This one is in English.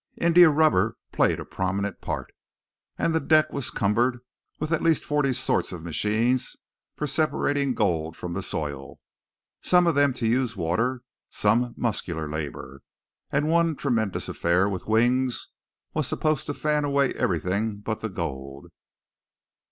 India rubber played a prominent part. And the deck was cumbered with at least forty sorts of machines for separating gold from the soil: some of them to use water, some muscular labour, and one tremendous affair with wings was supposed to fan away everything but the gold.